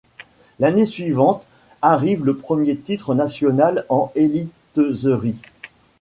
L’année suivante arrive le premier titre national en Eliteserie.